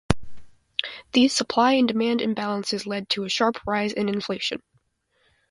These supply and demand imbalances led to a sharp rise in inflation.